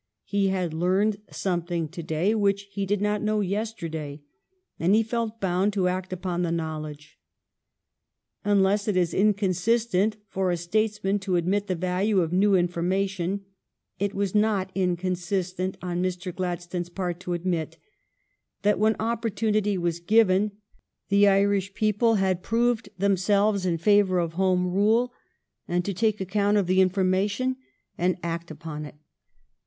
He had learned something to day which he did not know yesterday, and he felt bound to act upon the knowledge. Unless it is inconsist ent for a statesman to admit the value of new information, it was not inconsistent on Mr. Glad stone's part to admit that when opportunity was given, the Irish people had proved themselves in favor of Home Rule, and to take account of the information and act upon it.